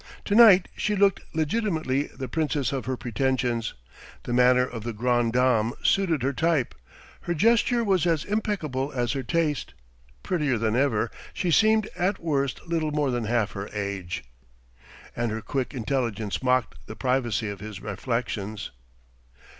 To night she looked legitimately the princess of her pretensions; the manner of the grande dame suited her type; her gesture was as impeccable as her taste; prettier than ever, she seemed at worst little more than half her age. And her quick intelligence mocked the privacy of his reflections.